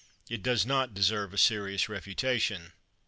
It does not deserve a serious refutation.